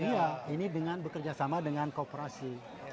iya ini dengan bekerja sama dengan kooperasi